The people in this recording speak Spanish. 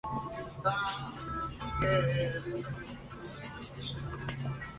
La sede del condado es Baldwin.